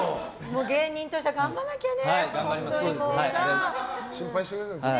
芸人として頑張らなきゃね！